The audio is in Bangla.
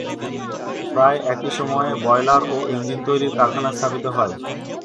প্রায় একই সময়ে বয়লার ও ইঞ্জিন তৈরির কারখানা স্থাপিত হয়।